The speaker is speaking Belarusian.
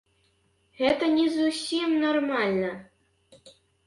Гэта не зусім нармальна.